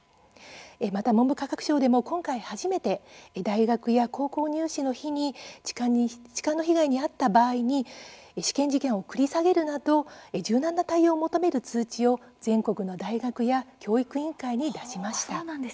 また、文部科学省でも今回初めて大学や高校入試の日に痴漢の被害に遭った場合に試験時間を繰り下げるなど柔軟な対応を求める通知を全国の大学や教育委員会に出しました。